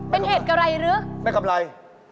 เป็นเหตุกับไรหรือคุณหลวงไม่กับไร